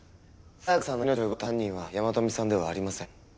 沙也香さんの命を奪った犯人は山富さんではありません。